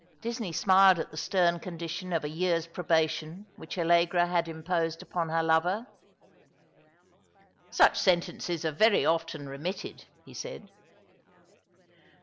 Disney smiled at the stern condition of a year's probation which Allegra had imposed upon her lover. " Such sentences are very often remitted," he said.